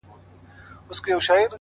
o و مسکين ته د کلا د سپو سلا يوه ده٫